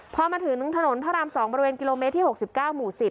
พอมาถึงถนนพระรามสองบริเวณกิโลเมตรที่หกสิบเก้าหมู่สิบ